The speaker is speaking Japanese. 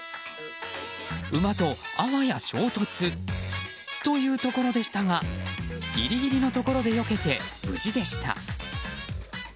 馬と、あわや衝突というところでしたがギリギリのところでよけて無事でした。